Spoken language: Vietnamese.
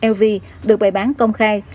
lv được bày bán công khai